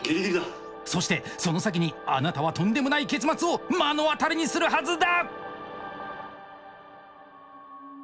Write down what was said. そしてその先にあなたはとんでもない結末を目の当たりにするはずだ！